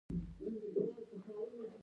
استاد د بينوا ليکني د زده کړي وسیله ده.